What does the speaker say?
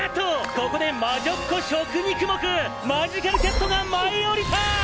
ここで“魔女っ娘食肉目”マジカルキャットが舞い降りたぁ！！！」